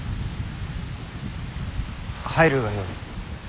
入るがよい。